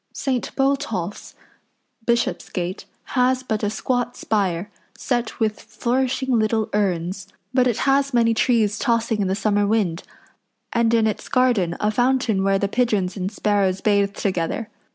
St. Botolph's, Bishopsgate, has but a squat spire, set with flourishing little urns; but it has many trees tossing in the summer wind, and in its garden a fountain where the pigeons and sparrows bathe together.